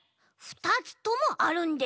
ふたつともあるんです！